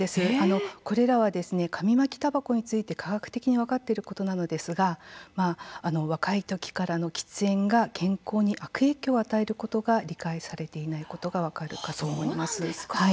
これらは紙巻きたばこについて科学的に分かっていることなのですが若いときからの喫煙が健康に悪影響を与えることが理解されていないことが分かるかと思います。